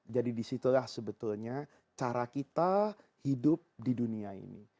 jadi disitulah sebetulnya cara kita hidup di dunia ini